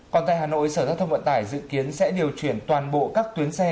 còn tại hà nội sở giao thông vận tải dự kiến sẽ điều chuyển toàn bộ các tuyến xe